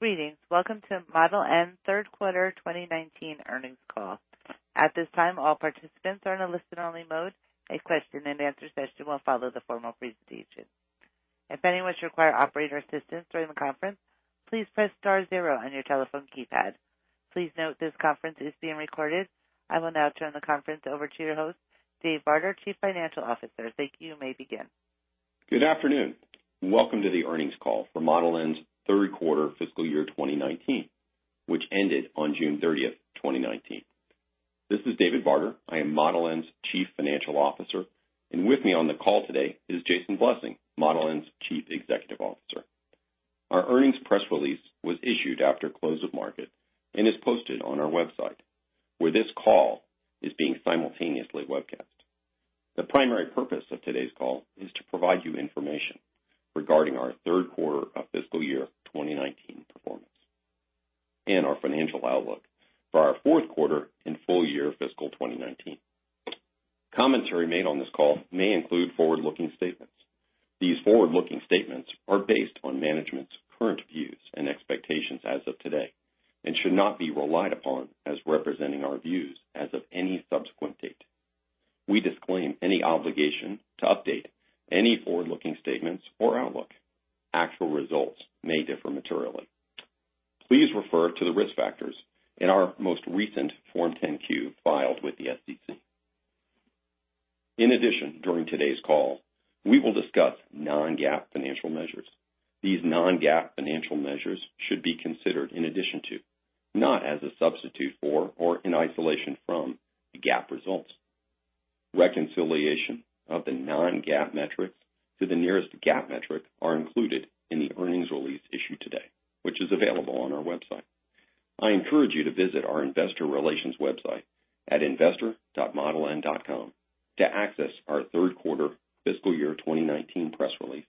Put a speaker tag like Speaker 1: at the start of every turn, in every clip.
Speaker 1: Greetings. Welcome to Model N third quarter 2019 earnings call. At this time, all participants are in a listen-only mode. A question and answer session will follow the formal presentation. If anyone should require operator assistance during the conference, please press star zero on your telephone keypad. Please note this conference is being recorded. I will now turn the conference over to your host, David Barger, Chief Financial Officer. Thank you. You may begin.
Speaker 2: Good afternoon. Welcome to the earnings call for Model N's third quarter fiscal year 2019, which ended on June 30th, 2019. This is David Barger. I am Model N's Chief Financial Officer, and with me on the call today is Jason Blessing, Model N's Chief Executive Officer. Our earnings press release was issued after close of market and is posted on our website, where this call is being simultaneously webcast. The primary purpose of today's call is to provide you information regarding our third quarter of fiscal year 2019 performance and our financial outlook for our fourth quarter and full year fiscal 2019. Comments remain on this call may include forward-looking statements. These forward-looking statements are based on management's current views and expectations as of today and should not be relied upon as representing our views as of any subsequent date. We disclaim any obligation to update any forward-looking statements or outlook. Actual results may differ materially. Please refer to the risk factors in our most recent Form 10-Q filed with the SEC. In addition, during today's call, we will discuss non-GAAP financial measures. These non-GAAP financial measures should be considered in addition to, not as a substitute for, or in isolation from, the GAAP results. Reconciliation of the non-GAAP metrics to the nearest GAAP metric are included in the earnings release issued today, which is available on our website. I encourage you to visit our investor relations website at investor.modeln.com to access our third quarter fiscal year 2019 press release,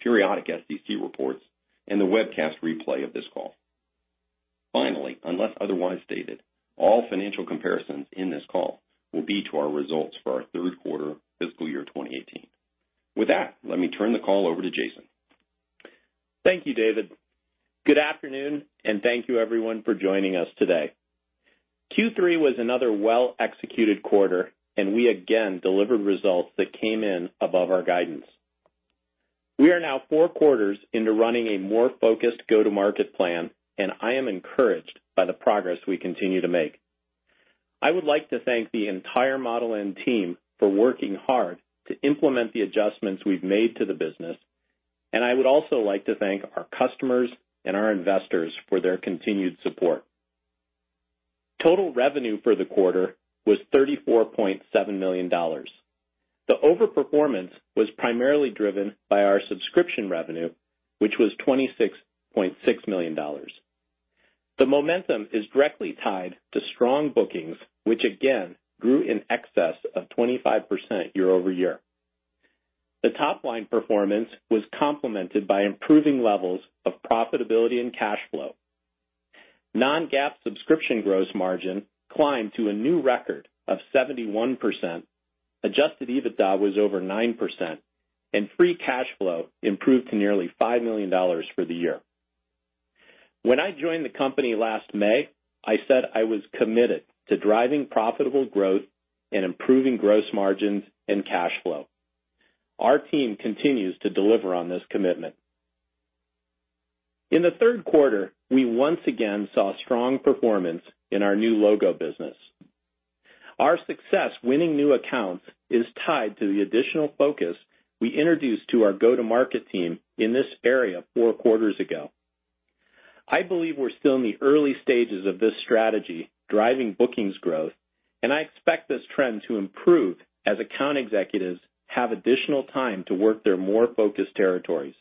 Speaker 2: periodic SEC reports, and the webcast replay of this call. Finally, unless otherwise stated, all financial comparisons in this call will be to our results for our third quarter fiscal year 2018. With that, let me turn the call over to Jason.
Speaker 3: Thank you, David. Good afternoon, and thank you everyone for joining us today. Q3 was another well-executed quarter, and we again delivered results that came in above our guidance. We are now four quarters into running a more focused go-to-market plan, and I am encouraged by the progress we continue to make. I would like to thank the entire Model N team for working hard to implement the adjustments we've made to the business, and I would also like to thank our customers and our investors for their continued support. Total revenue for the quarter was $34.7 million. The over-performance was primarily driven by our subscription revenue, which was $26.6 million. The momentum is directly tied to strong bookings, which again grew in excess of 25% year-over-year. The top-line performance was complemented by improving levels of profitability and cash flow. Non-GAAP subscription gross margin climbed to a new record of 71%, adjusted EBITDA was over 9%, and free cash flow improved to nearly $5 million for the year. When I joined the company last May, I said I was committed to driving profitable growth and improving gross margins and cash flow. Our team continues to deliver on this commitment. In the third quarter, we once again saw strong performance in our new logo business. Our success winning new accounts is tied to the additional focus we introduced to our go-to-market team in this area four quarters ago. I believe we're still in the early stages of this strategy driving bookings growth, and I expect this trend to improve as account executives have additional time to work their more focused territories.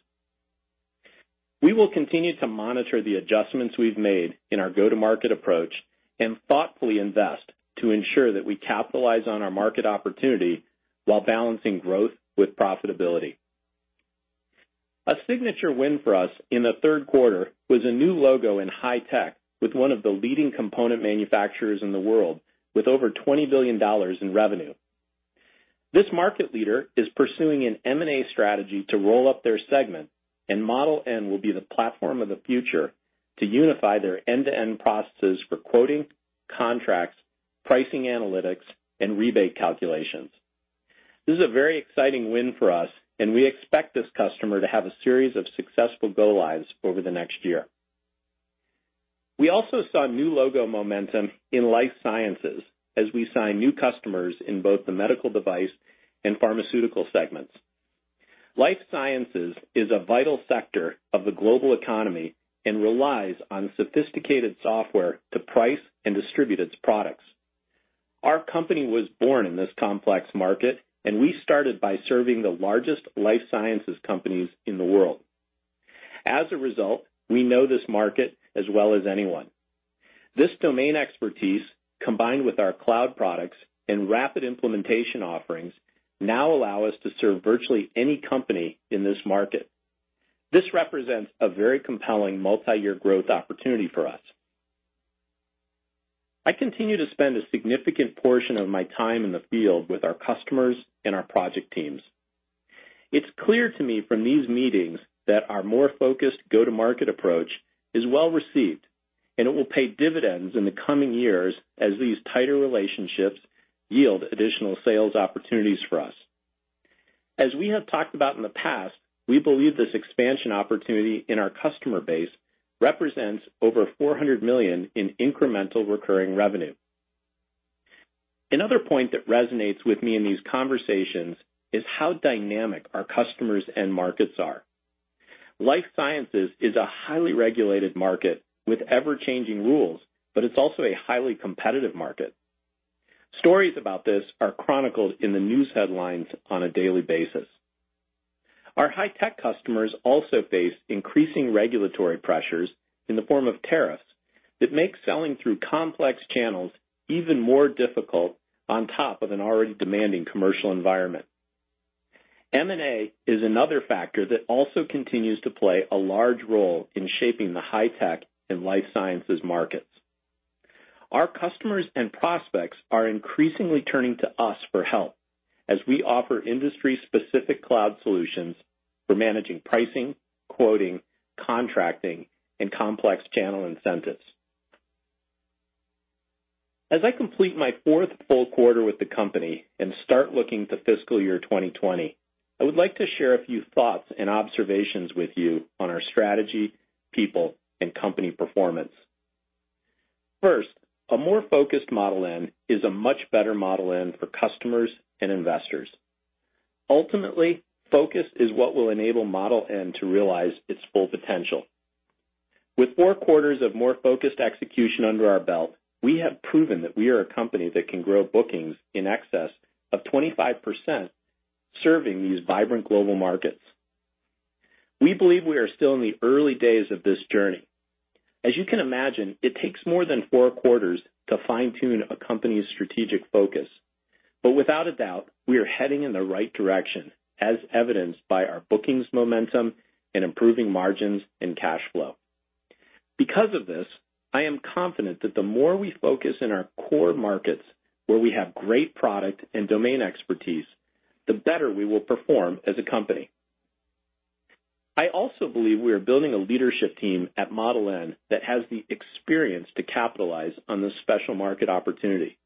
Speaker 3: We will continue to monitor the adjustments we've made in our go-to-market approach and thoughtfully invest to ensure that we capitalize on our market opportunity while balancing growth with profitability. A signature win for us in the third quarter was a new logo in high tech with one of the leading component manufacturers in the world with over $20 billion in revenue. This market leader is pursuing an M&A strategy to roll up their segment, Model N will be the platform of the future to unify their end-to-end processes for quoting, contracts, pricing analytics, and rebate calculations. This is a very exciting win for us, and we expect this customer to have a series of successful go-lives over the next year. We also saw new logo momentum in life sciences as we sign new customers in both the medical device and pharmaceutical segments. Life sciences is a vital sector of the global economy and relies on sophisticated software to price and distribute its products. Our company was born in this complex market, and we started by serving the largest life sciences companies in the world. As a result, we know this market as well as anyone. This domain expertise, combined with our cloud products and rapid implementation offerings, now allow us to serve virtually any company in this market. This represents a very compelling multi-year growth opportunity for us. I continue to spend a significant portion of my time in the field with our customers and our project teams. It's clear to me from these meetings that our more focused go-to-market approach is well-received, and it will pay dividends in the coming years as these tighter relationships yield additional sales opportunities for us. As we have talked about in the past, we believe this expansion opportunity in our customer base represents over $400 million in incremental recurring revenue. Another point that resonates with me in these conversations is how dynamic our customers and markets are. Life sciences is a highly regulated market with ever-changing rules, but it's also a highly competitive market. Stories about this are chronicled in the news headlines on a daily basis. Our high-tech customers also face increasing regulatory pressures in the form of tariffs that make selling through complex channels even more difficult on top of an already demanding commercial environment. M&A is another factor that also continues to play a large role in shaping the high-tech and life sciences markets. Our customers and prospects are increasingly turning to us for help as we offer industry-specific cloud solutions for managing pricing, quoting, contracting, and complex channel incentives. As I complete my fourth full quarter with the company and start looking to fiscal year 2020, I would like to share a few thoughts and observations with you on our strategy, people, and company performance. First, a more focused Model N is a much better Model N for customers and investors. Ultimately, focus is what will enable Model N to realize its full potential. With four quarters of more focused execution under our belt, we have proven that we are a company that can grow bookings in excess of 25% serving these vibrant global markets. We believe we are still in the early days of this journey. As you can imagine, it takes more than four quarters to fine-tune a company's strategic focus. Without a doubt, we are heading in the right direction, as evidenced by our bookings momentum and improving margins and cash flow. Because of this, I am confident that the more we focus on our core markets, where we have great product and domain expertise, the better we will perform as a company. I also believe we are building a leadership team at Model N that has the experience to capitalize on this special market opportunity.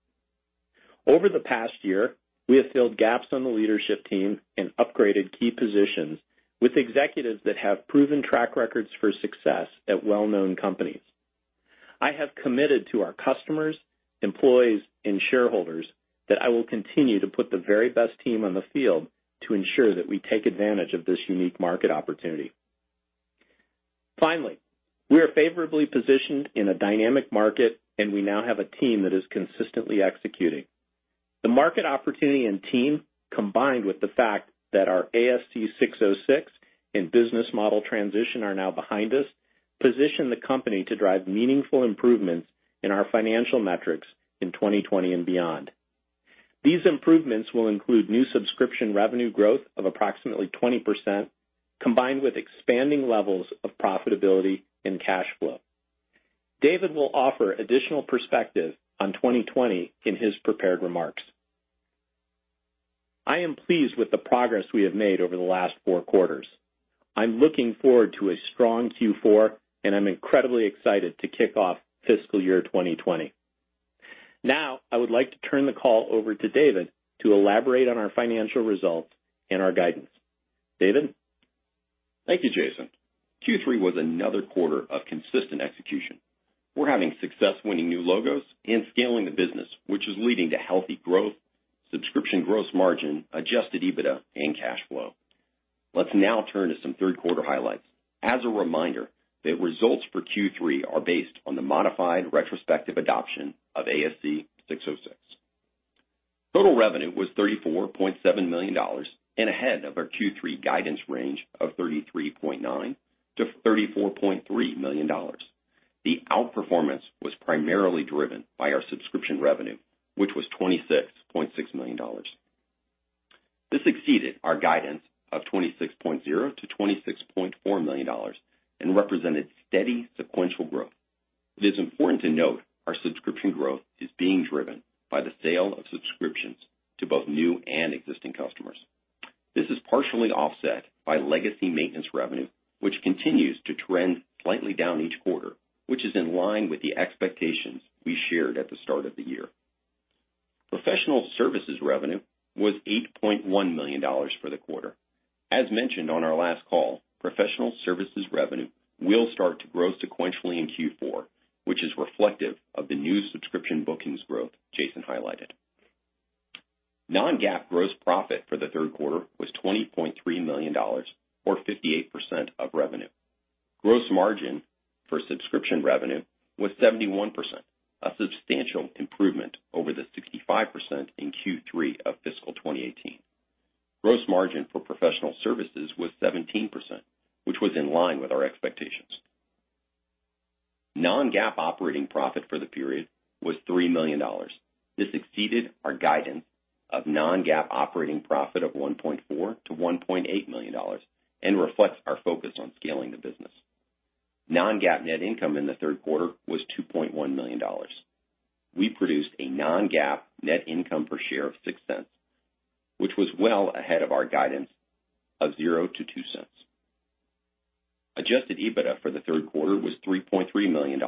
Speaker 3: Over the past year, we have filled gaps on the leadership team and upgraded key positions with executives that have proven track records for success at well-known companies. I have committed to our customers, employees, and shareholders that I will continue to put the very best team on the field to ensure that we take advantage of this unique market opportunity. Finally, we are favorably positioned in a dynamic market, and we now have a team that is consistently executing. The market opportunity and team, combined with the fact that our ASC 606 and business model transition are now behind us, position the company to drive meaningful improvements in our financial metrics in 2020 and beyond. These improvements will include new subscription revenue growth of approximately 20%, combined with expanding levels of profitability and cash flow. David will offer additional perspective on 2020 in his prepared remarks. I am pleased with the progress we have made over the last four quarters. I'm looking forward to a strong Q4, and I'm incredibly excited to kick off fiscal year 2020. Now, I would like to turn the call over to David to elaborate on our financial results and our guidance. David?
Speaker 2: Thank you, Jason. Q3 was another quarter of consistent execution. We're having success winning new logos and scaling the business, which is leading to healthy growth, subscription gross margin, adjusted EBITDA, and cash flow. Let's now turn to some third-quarter highlights. As a reminder that results for Q3 are based on the modified retrospective adoption of ASC 606. Total revenue was $34.7 million and ahead of our Q3 guidance range of $33.9 million-$34.3 million. The outperformance was primarily driven by our subscription revenue, which was $26.6 million. This exceeded our guidance of $26.0 million-$26.4 million and represented steady sequential growth. It is important to note our subscription growth is being driven by the sale of subscriptions to both new and existing customers. This is partially offset by legacy maintenance revenue, which continues to trend slightly down each quarter, which is in line with the expectations we shared at the start of the year. Professional services revenue was $8.1 million for the quarter. As mentioned on our last call, professional services revenue will start to grow sequentially in Q4, which is reflective of the new subscription bookings growth Jason highlighted. Non-GAAP gross profit for the third quarter was $20.3 million or 58% of revenue. Gross margin for subscription revenue was 71%, a substantial improvement over the 65% in Q3 of fiscal 2018. Gross margin for professional services was 17%, which was in line with our expectations. Non-GAAP operating profit for the period was $3 million. This exceeded our guidance of Non-GAAP operating profit of $1.4 million-$1.8 million and reflects our focus on scaling the business. Non-GAAP net income in the third quarter was $2.1 million. We produced a non-GAAP net income per share of $0.06, which was well ahead of our guidance of $0.00-$0.02. Adjusted EBITDA for the third quarter was $3.3 million,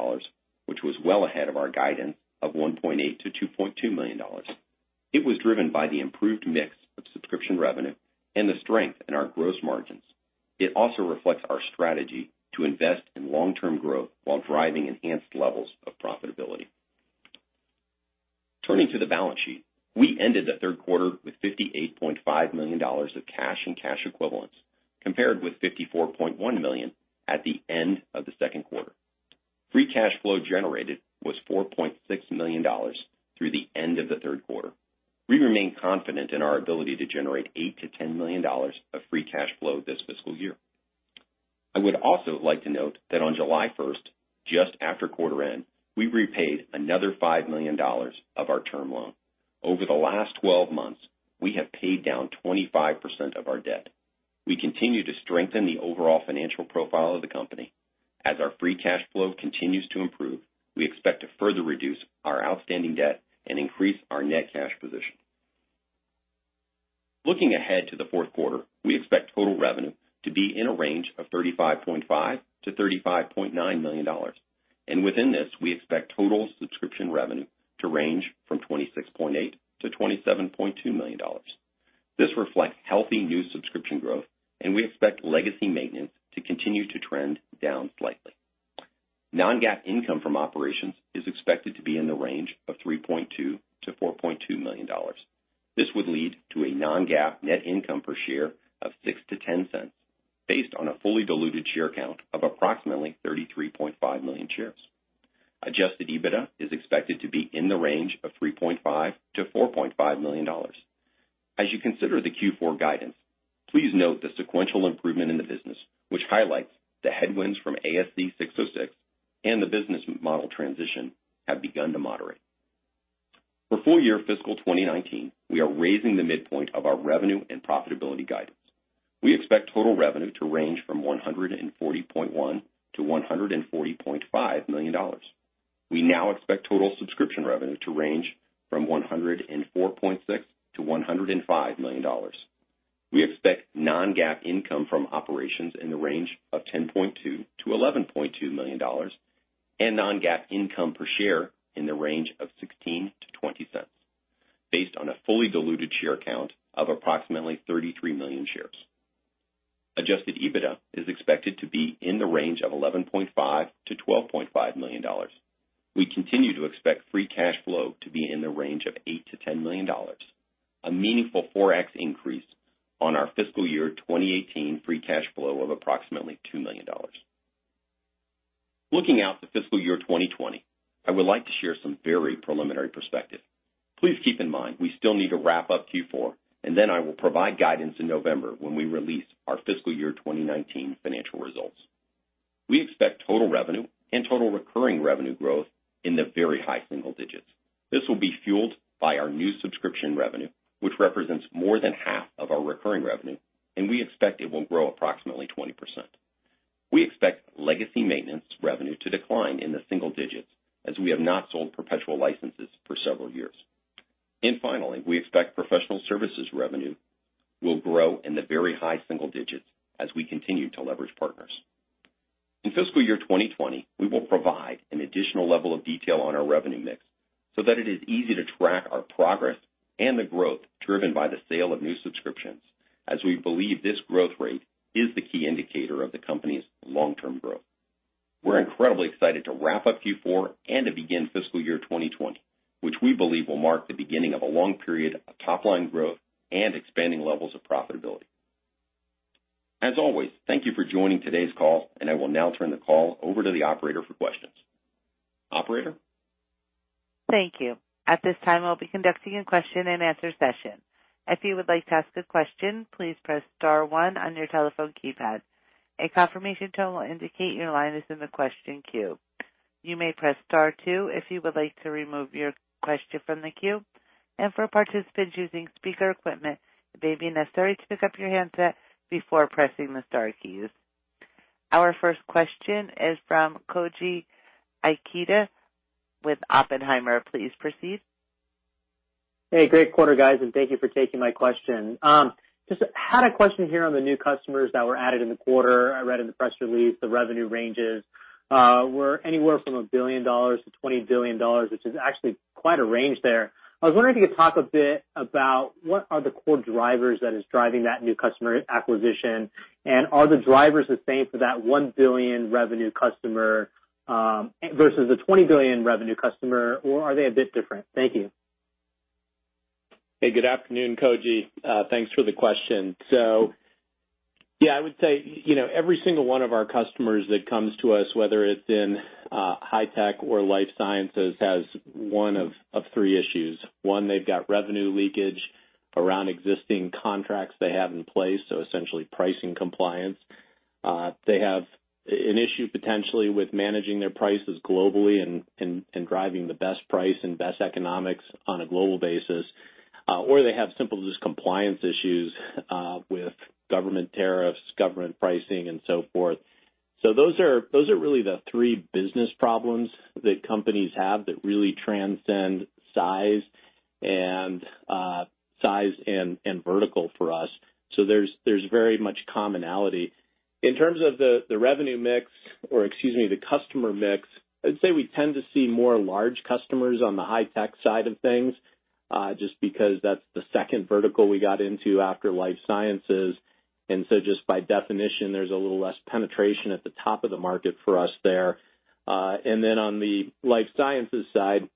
Speaker 2: which was well ahead of our guidance of $1.8 million-$2.2 million. It was driven by the improved mix of subscription revenue and the strength in our gross margins. It also reflects our strategy to invest in long-term growth while driving enhanced levels of profitability. Turning to the balance sheet, we ended the third quarter with $58.5 million of cash and cash equivalents, compared with $54.1 million at the end of the second quarter. Free cash flow generated was $4.6 million through the end of the third quarter. We remain confident in our ability to generate $8 million-$10 million of free cash flow this fiscal year. I would also like to note that on July 1st, just after quarter end, we repaid another $5 million of our term loan. Over the last 12 months, we have paid down 25% of our debt. We continue to strengthen the overall financial profile of the company. As our free cash flow continues to improve, we expect to further reduce our outstanding debt and increase our net cash position. Looking ahead to the fourth quarter, we expect total revenue to be in a range of $35.5 million-$35.9 million, and within this, we expect total subscription revenue to range from $26.8 million-$27.2 million. This reflects healthy new subscription growth, and we expect legacy maintenance to continue to trend down slightly. Non-GAAP income from operations is expected to be in the range of $3.2 million-$4.2 million. This would lead to a non-GAAP net income per share of $0.06-$0.10 based on a fully diluted share count of approximately 33.5 million shares. Adjusted EBITDA is expected to be in the range of $3.5 million-$4.5 million. As you consider the Q4 guidance, please note the sequential improvement in the business, which highlights the headwinds from ASC 606 and the business model transition have begun to moderate. For full year fiscal 2019, we are raising the midpoint of our revenue and profitability guidance. We expect total revenue to range from $140.1 million-$140.5 million. We now expect total subscription revenue to range from $104.6 million-$105 million. We expect non-GAAP income from operations in the range of $10.2 million-$11.2 million and non-GAAP income per share in the range of $0.16-$0.20 based on a fully diluted share count of approximately 33 million shares. Adjusted EBITDA is expected to be in the range of $11.5 million-$12.5 million. We continue to expect free cash flow to be in the range of $8 million-$10 million, a meaningful 4x increase on our fiscal year 2018 free cash flow of approximately $2 million. Looking out to fiscal year 2020, I would like to share some very preliminary perspective. Please keep in mind we still need to wrap up Q4, and then I will provide guidance in November when we release our fiscal year 2019 financial results. We expect total revenue and total recurring revenue growth in the very high single digits. This will be fueled by our new subscription revenue, which represents more than half of our recurring revenue, and we expect it will grow approximately 20%. We expect legacy maintenance revenue to decline in the single digits as we have not sold perpetual licenses for several years. Finally, we expect professional services revenue will grow in the very high single digits as we continue to leverage partners. In fiscal year 2020, we will provide an additional level of detail on our revenue mix so that it is easy to track our progress and the growth driven by the sale of new subscriptions, as we believe this growth rate is the key indicator of the company's long-term growth. We're incredibly excited to wrap up Q4 and to begin fiscal year 2020, which we believe will mark the beginning of a long period of top-line growth and expanding levels of profitability. As always, thank you for joining today's call, and I will now turn the call over to the operator for questions. Operator?
Speaker 1: Thank you. At this time, I'll be conducting a question and answer session. If you would like to ask a question, please press star one on your telephone keypad. A confirmation tone will indicate your line is in the question queue. You may press star two if you would like to remove your question from the queue, and for participants using speaker equipment, it may be necessary to pick up your handset before pressing the star keys. Our first question is from Koji Ikeda with Oppenheimer. Please proceed.
Speaker 4: Hey, great quarter, guys, and thank you for taking my question. Just had a question here on the new customers that were added in the quarter. I read in the press release the revenue ranges were anywhere from $1 billion-$20 billion, which is actually quite a range there. I was wondering if you could talk a bit about what are the core drivers that is driving that new customer acquisition, and are the drivers the same for that $1 billion revenue customer versus a $20 billion revenue customer, or are they a bit different? Thank you.
Speaker 3: Hey, good afternoon, Koji. Thanks for the question. Yeah, I would say every single one of our customers that comes to us, whether it's in high-tech or life sciences, has one of three issues. One, they've got revenue leakage around existing contracts they have in place, so essentially pricing compliance. They have an issue potentially with managing their prices globally and driving the best price and best economics on a global basis, or they have simple compliance issues with government tariffs, government pricing, and so forth. Those are really the three business problems that companies have that really transcend size and vertical for us. There's very much commonality. In terms of the revenue mix, or excuse me, the customer mix, I'd say we tend to see more large customers on the high-tech side of things, just because that's the second vertical we got into after life sciences. Just by definition, there's a little less penetration at the top of the market for us there. On the life sciences side,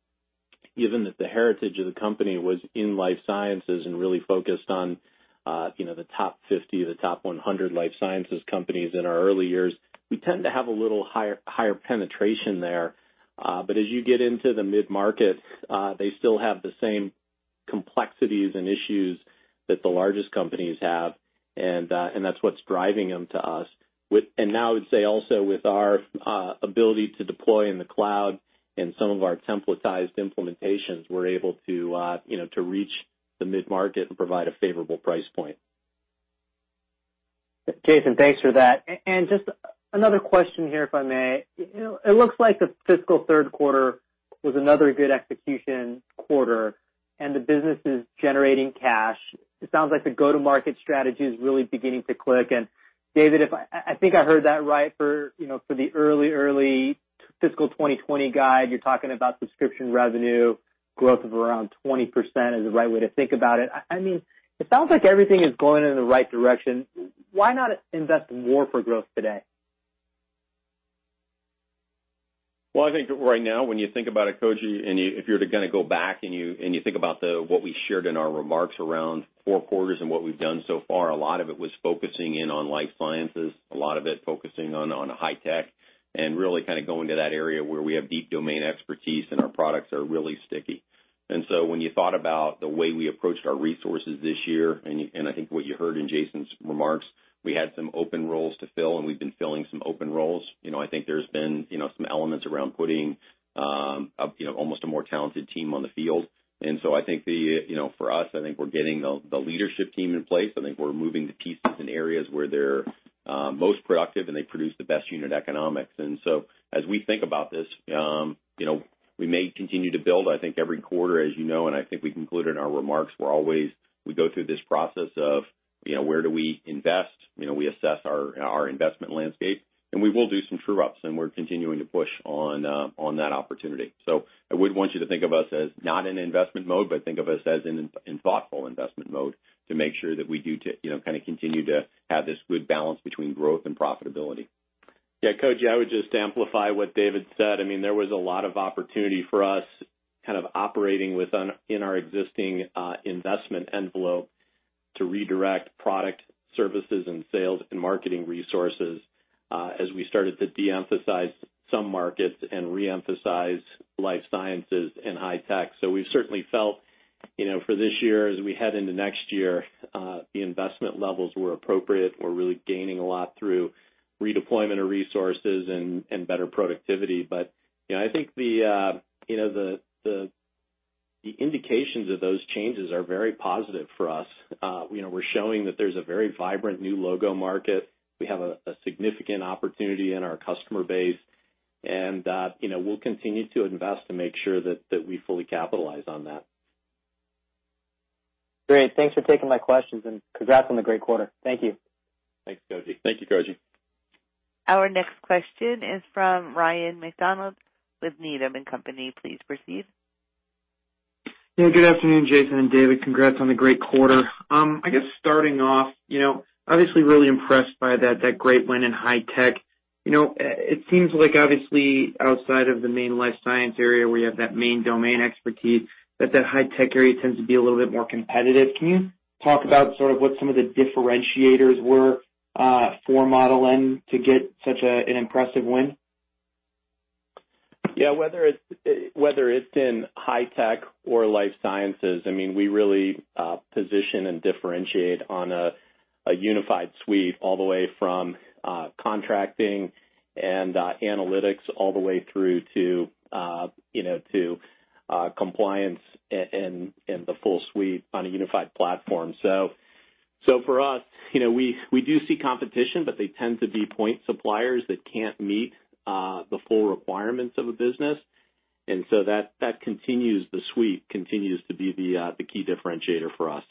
Speaker 3: given that the heritage of the company was in life sciences and really focused on the top 50, the top 100 life sciences companies in our early years, we tend to have a little higher penetration there. As you get into the mid-market, they still have the same complexities and issues that the largest companies have, and that's what's driving them to us. Now, I would say also with our ability to deploy in the cloud and some of our templatized implementations, we're able to reach the mid-market and provide a favorable price point.
Speaker 4: Jason, thanks for that. Just another question here, if I may. It looks like the fiscal third quarter was another good execution quarter, and the business is generating cash. It sounds like the go-to-market strategy is really beginning to click. David, I think I heard that right for the early fiscal 2020 guide. You're talking about subscription revenue growth of around 20% as the right way to think about it. It sounds like everything is going in the right direction. Why not invest more for growth today?
Speaker 2: Well, I think right now, when you think about it, Koji, if you're going to go back and you think about what we shared in our remarks around four quarters and what we've done so far, a lot of it was focusing in on life sciences, a lot of it focusing on high tech, and really going to that area where we have deep domain expertise and our products are really sticky. When you thought about the way we approached our resources this year, and I think what you heard in Jason's remarks, we had some open roles to fill, and we've been filling some open roles. I think there's been some elements around putting almost a more talented team on the field. I think for us, I think we're getting the leadership team in place. I think we're moving the pieces in areas where they're most productive, and they produce the best unit economics. As we think about this, we may continue to build. I think every quarter, as you know, and I think we concluded in our remarks, we go through this process of where do we invest? We assess our investment landscape, we will do some true-ups, we're continuing to push on that opportunity. I wouldn't want you to think of us as not in investment mode, but think of us as in thoughtful investment mode to make sure that we do continue to have this good balance between growth and profitability.
Speaker 3: Yeah, Koji, I would just amplify what David said. There was a lot of opportunity for us operating within our existing investment envelope to redirect product services and sales and marketing resources as we started to de-emphasize some markets and re-emphasize Life Sciences and High Tech. We've certainly felt, for this year, as we head into next year, the investment levels were appropriate. We're really gaining a lot through redeployment of resources and better productivity. I think the indications of those changes are very positive for us. We're showing that there's a very vibrant new logo market. We have a significant opportunity in our customer base, and we'll continue to invest to make sure that we fully capitalize on that.
Speaker 4: Great. Thanks for taking my questions, and congrats on the great quarter. Thank you.
Speaker 2: Thanks, Koji.
Speaker 3: Thank you, Koji.
Speaker 1: Our next question is from Ryan MacDonald with Needham & Company. Please proceed.
Speaker 5: Yeah, good afternoon, Jason and David. Congrats on the great quarter. I guess starting off, obviously really impressed by that great win in high tech. It seems like obviously outside of the main life science area where you have that main domain expertise, that high tech area tends to be a little bit more competitive. Can you talk about what some of the differentiators were for Model N to get such an impressive win?
Speaker 3: Yeah. Whether it's in high tech or life sciences, we really position and differentiate on a unified suite all the way from contracting and analytics, all the way through to compliance and the full suite on a unified platform. For us, we do see competition, but they tend to be point suppliers that can't meet the full requirements of a business. That continues the suite, continues to be the key differentiator for us.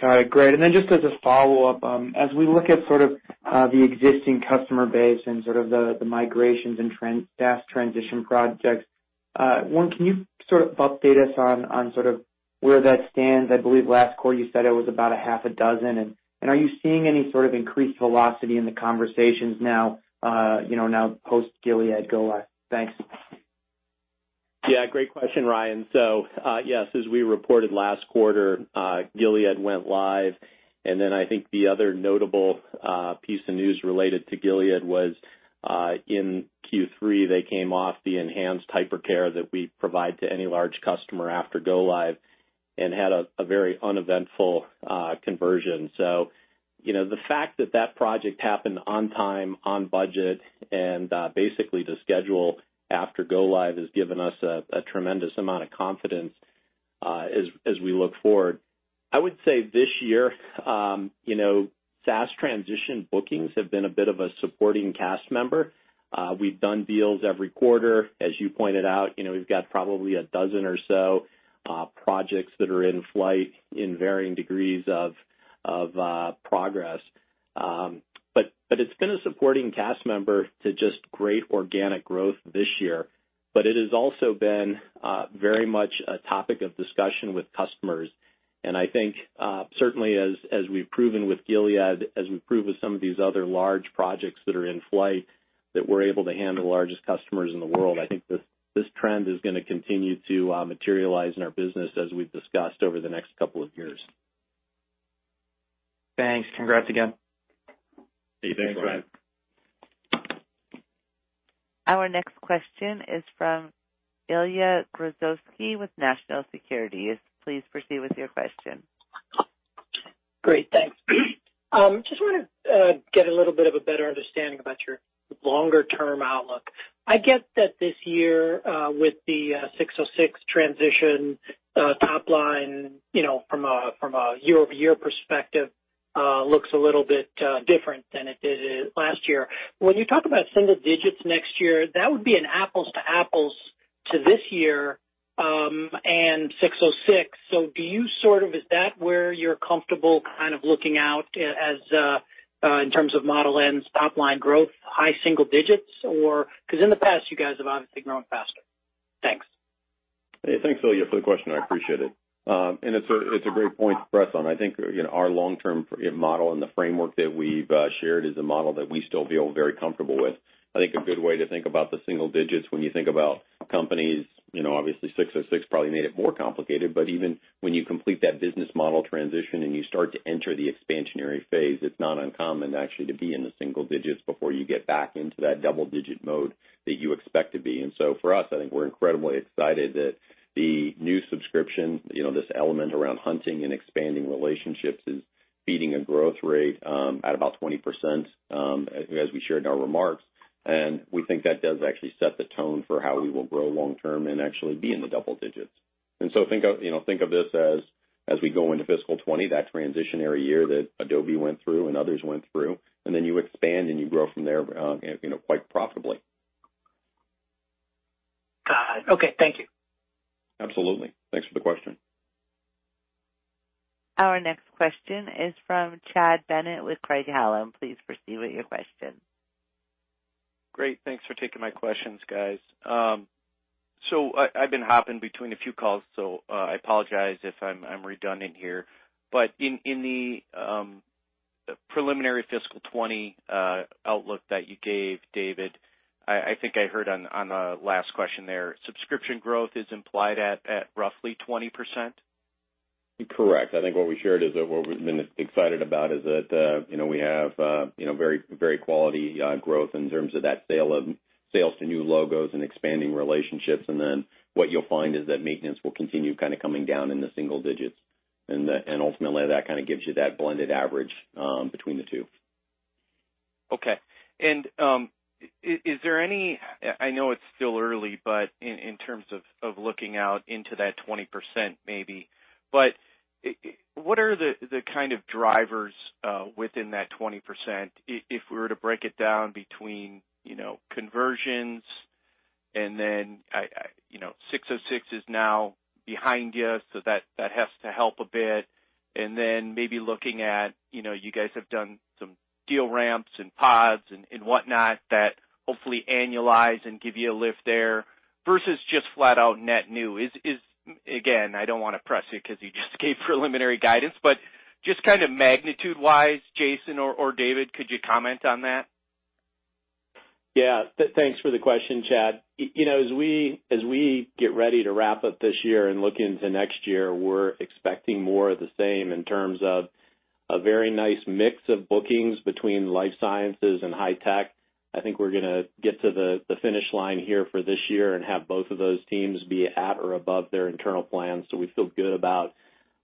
Speaker 5: Got it. Great. Just as a follow-up, as we look at the existing customer base and the migrations and SaaS transition projects, one, can you update us on where that stands? I believe last quarter you said it was about a half a dozen. Are you seeing any sort of increased velocity in the conversations now post Gilead go live? Thanks.
Speaker 3: Yeah. Great question, Ryan. Yes, as we reported last quarter, Gilead went live. I think the other notable piece of news related to Gilead was in Q3, they came off the enhanced hypercare that we provide to any large customer after go live. Had a very uneventful conversion. The fact that that project happened on time, on budget, and basically to schedule after go live has given us a tremendous amount of confidence as we look forward. I would say this year, SaaS transition bookings have been a bit of a supporting cast member. We've done deals every quarter. As you pointed out, we've got probably a dozen or so projects that are in flight in varying degrees of progress. It's been a supporting cast member to just great organic growth this year. It has also been very much a topic of discussion with customers. I think, certainly as we've proven with Gilead, as we've proved with some of these other large projects that are in flight, that we're able to handle the largest customers in the world.
Speaker 2: I think this trend is going to continue to materialize in our business as we've discussed over the next couple of years.
Speaker 5: Thanks. Congrats again.
Speaker 2: Hey, thanks, Ryan.
Speaker 1: Our next question is from Ilya Grozovsky with National Securities. Please proceed with your question.
Speaker 6: Great, thanks. Just want to get a little bit of a better understanding about your longer-term outlook. I get that this year, with the 606 transition top line, from a year-over-year perspective, looks a little bit different than it did last year. When you talk about single digits next year, that would be an apples-to-apples to this year, and 606. Is that where you're comfortable kind of looking out in terms of Model N's top-line growth, high single digits? Because in the past you guys have obviously grown faster. Thanks.
Speaker 2: Hey, thanks, Ilya, for the question. I appreciate it. It's a great point to press on. I think, our long-term model and the framework that we've shared is a model that we still feel very comfortable with. I think a good way to think about the single digits when you think about companies, obviously 606 probably made it more complicated, but even when you complete that business model transition and you start to enter the expansionary phase, it's not uncommon actually to be in the single digits before you get back into that double digit mode that you expect to be. For us, I think we're incredibly excited that the new subscription, this element around hunting and expanding relationships, is feeding a growth rate at about 20%, as we shared in our remarks. We think that does actually set the tone for how we will grow long term and actually be in the double digits. Think of this as we go into fiscal 2020, that transitionary year that Adobe went through and others went through, and then you expand and you grow from there quite profitably.
Speaker 6: Got it. Okay. Thank you.
Speaker 2: Absolutely. Thanks for the question.
Speaker 1: Our next question is from Chad Bennett with Craig-Hallum. Please proceed with your question.
Speaker 7: Great. Thanks for taking my questions, guys. I've been hopping between a few calls, so I apologize if I'm redundant here. In the preliminary fiscal 2020 outlook that you gave, David, I think I heard on the last question there, subscription growth is implied at roughly 20%?
Speaker 2: Correct. I think what we shared is that what we've been excited about is that we have very quality growth in terms of that sales to new logos and expanding relationships. What you'll find is that maintenance will continue kind of coming down in the single digits. Ultimately, that kind of gives you that blended average between the two.
Speaker 7: Okay. Is there any, I know it's still early, but in terms of looking out into that 20% maybe, but what are the kind of drivers within that 20%, if we were to break it down between conversions and then ASC 606 is now behind you, so that has to help a bit. Then maybe looking at, you guys have done some deal ramps and pods and whatnot that hopefully annualize and give you a lift there versus just flat out net new. I don't want to press you because you just gave preliminary guidance, but just kind of magnitude-wise, Jason or David, could you comment on that?
Speaker 3: Yeah. Thanks for the question, Chad. As we get ready to wrap up this year and look into next year, we're expecting more of the same in terms of a very nice mix of bookings between life sciences and high tech. I think we're going to get to the finish line here for this year and have both of those teams be at or above their internal plans. We feel good about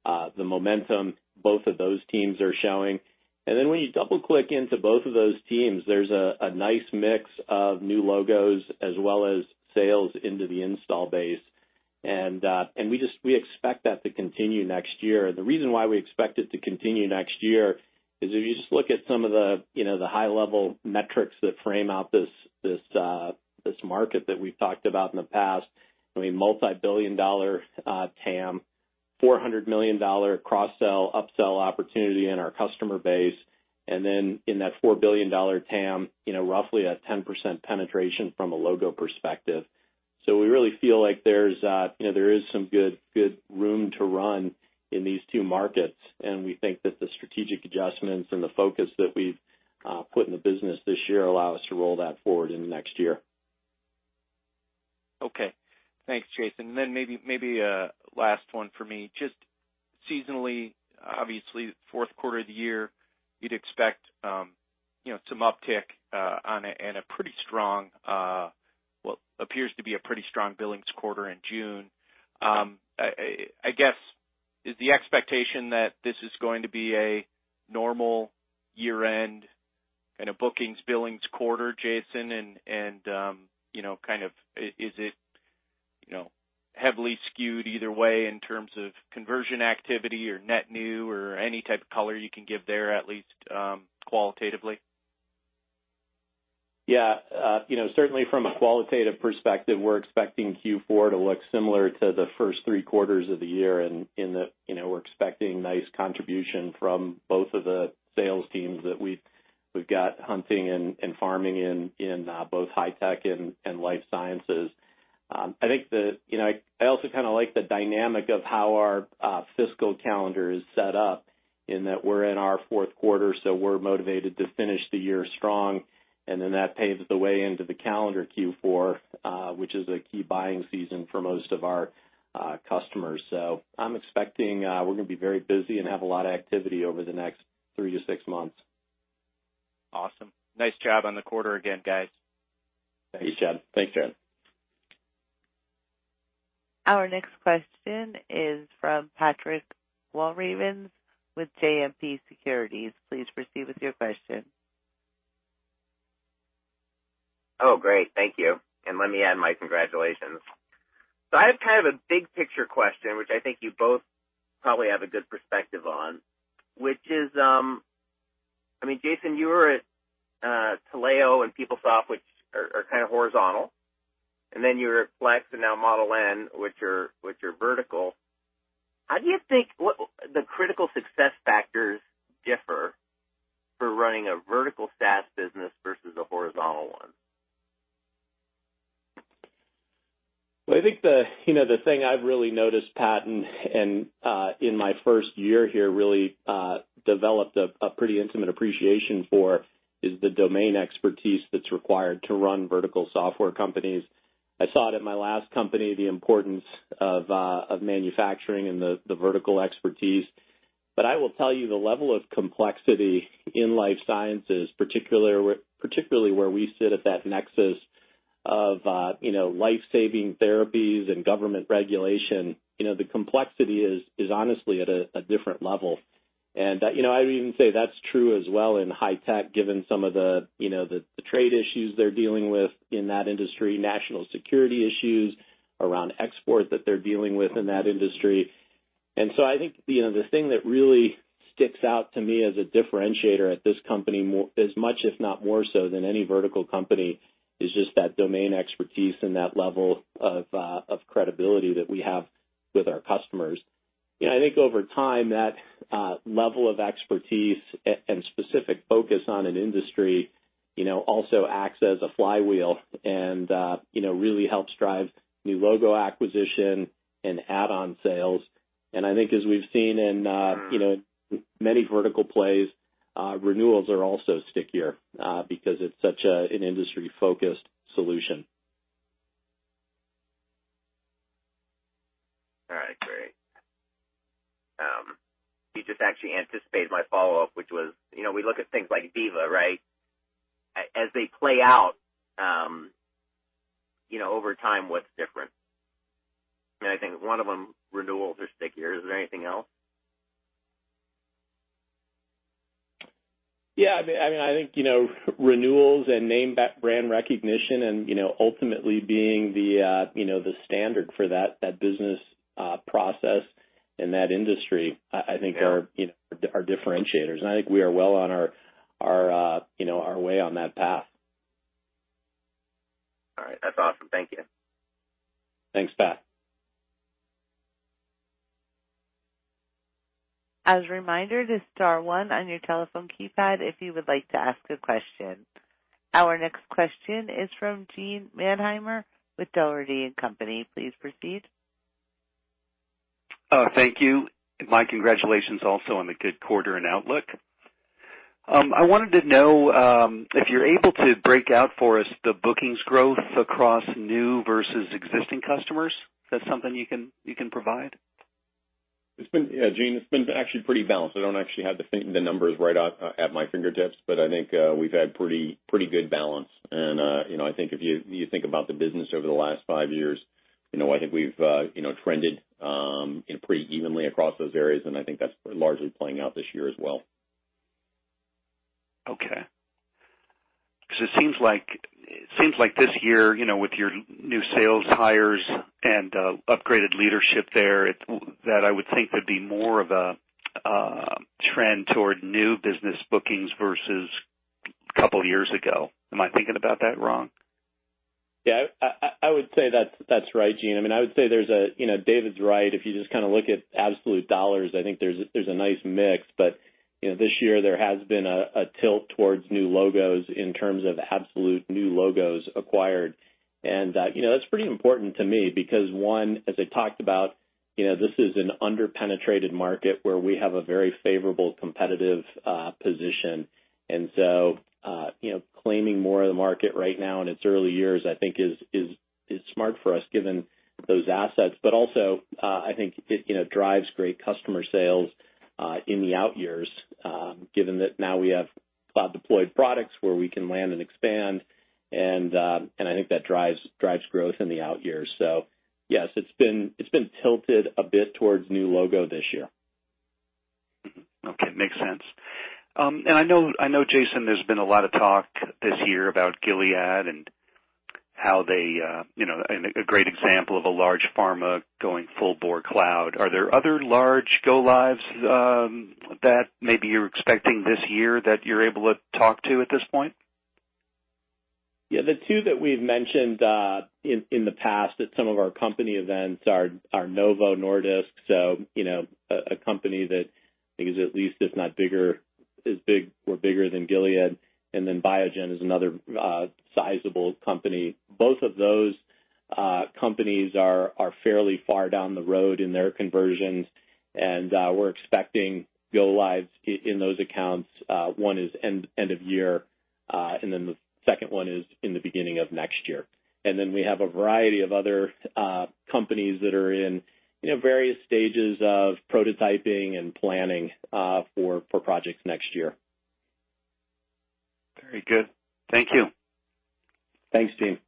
Speaker 3: the momentum both of those teams are showing. When you double-click into both of those teams, there's a nice mix of new logos as well as sales into the install base. We expect that to continue next year. The reason why we expect it to continue next year is if you just look at some of the high-level metrics that frame out this market that we've talked about in the past. A multibillion-dollar TAM, $400 million cross-sell, up-sell opportunity in our customer base. Then in that $4 billion TAM, roughly a 10% penetration from a logo perspective. We really feel like there is some good room to run in these two markets. We think that the strategic adjustments and the focus that we've put in the business this year allow us to roll that forward into next year.
Speaker 7: Okay. Thanks, Jason. Then maybe a last one for me. Seasonally, obviously, fourth quarter of the year, you'd expect some uptick and what appears to be a pretty strong billings quarter in June. I guess, is the expectation that this is going to be a normal year-end kind of bookings, billings quarter, Jason? Is it heavily skewed either way in terms of conversion activity or net new or any type of color you can give there, at least qualitatively?
Speaker 3: Certainly from a qualitative perspective, we're expecting Q4 to look similar to the first three quarters of the year in that we're expecting nice contribution from both of the sales teams that we've got hunting and farming in both high-tech and life sciences. I also kind of like the dynamic of how our fiscal calendar is set up, in that we're in our fourth quarter, so we're motivated to finish the year strong, and then that paves the way into the calendar Q4, which is a key buying season for most of our customers. I'm expecting we're going to be very busy and have a lot of activity over the next three to six months.
Speaker 7: Awesome. Nice job on the quarter again, guys.
Speaker 3: Thanks, John.
Speaker 1: Our next question is from Patrick Walravens with JMP Securities. Please proceed with your question.
Speaker 8: Oh, great. Thank you. Let me add my congratulations. I have kind of a big-picture question, which I think you both probably have a good perspective on, which is, Jason, you were at Taleo and PeopleSoft, which are kind of horizontal, and then you were at Flex and now Model N, which are vertical. How do you think the critical success factors differ for running a vertical SaaS business versus a horizontal one?
Speaker 3: Well, I think the thing I've really noticed, Pat, and in my first year here, really developed a pretty intimate appreciation for, is the domain expertise that's required to run vertical software companies. I saw it at my last company, the importance of manufacturing and the vertical expertise. I will tell you, the level of complexity in life sciences, particularly where we sit at that nexus of life-saving therapies and government regulation, the complexity is honestly at a different level. I would even say that's true as well in high tech, given some of the trade issues they're dealing with in that industry, national security issues around export that they're dealing with in that industry. I think the thing that really sticks out to me as a differentiator at this company, as much, if not more so than any vertical company, is just that domain expertise and that level of credibility that we have with our customers. I think over time, that level of expertise and specific focus on an industry also acts as a flywheel and really helps drive new logo acquisition and add-on sales. I think as we've seen in many vertical plays, renewals are also stickier because it's such an industry-focused solution.
Speaker 8: All right, great. You just actually anticipated my follow-up, which was, we look at things like Veeva, right? As they play out over time, what's different? I think one of them, renewals are stickier. Is there anything else?
Speaker 3: Yeah. I think renewals and name brand recognition and ultimately being the standard for that business process in that industry, I think are differentiators, and I think we are well on our way on that path.
Speaker 8: All right. That's awesome. Thank you.
Speaker 3: Thanks, Pat.
Speaker 1: As a reminder, just star one on your telephone keypad if you would like to ask a question. Our next question is from Gene Mannheimer with Dougherty & Company. Please proceed.
Speaker 9: Thank you. My congratulations also on the good quarter and outlook. I wanted to know if you're able to break out for us the bookings growth across new versus existing customers. Is that something you can provide?
Speaker 3: Gene, it's been actually pretty balanced. I don't actually have the numbers right at my fingertips, but I think we've had pretty good balance. I think if you think about the business over the last five years, I think we've trended pretty evenly across those areas, and I think that's largely playing out this year as well.
Speaker 9: Okay. It seems like this year, with your new sales hires and upgraded leadership there, that I would think there'd be more of a trend toward new business bookings versus a couple of years ago. Am I thinking about that wrong?
Speaker 3: Yeah. I would say that's right, Gene. David's right. If you just look at absolute dollars, I think there's a nice mix. This year, there has been a tilt towards new logos in terms of absolute new logos acquired. That's pretty important to me because one, as I talked about, this is an under-penetrated market where we have a very favorable competitive position. Claiming more of the market right now in its early years, I think is smart for us given those assets. Also, I think it drives great customer sales in the out years, given that now we have cloud-deployed products where we can land and expand, and I think that drives growth in the out years. Yes, it's been tilted a bit towards new logo this year.
Speaker 9: Okay. Makes sense. I know, Jason, there's been a lot of talk this year about Gilead and a great example of a large pharma going full-bore cloud. Are there other large go-lives that maybe you're expecting this year that you're able to talk to at this point?
Speaker 3: Yeah. The two that we've mentioned in the past at some of our company events are Novo Nordisk, so a company that is at least, if not bigger, is big or bigger than Gilead, and then Biogen is another sizable company. Both of those companies are fairly far down the road in their conversions, and we're expecting go-lives in those accounts. One is end of year, and then the second one is in the beginning of next year. We have a variety of other companies that are in various stages of prototyping and planning for projects next year.
Speaker 9: Very good. Thank you.
Speaker 3: Thanks, Gene.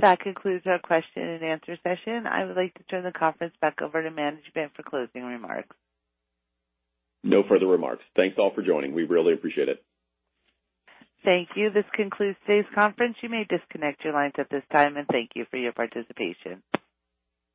Speaker 1: That concludes our question and answer session. I would like to turn the conference back over to management for closing remarks.
Speaker 3: No further remarks. Thanks, all, for joining. We really appreciate it.
Speaker 1: Thank you. This concludes today's conference. You may disconnect your lines at this time, and thank you for your participation.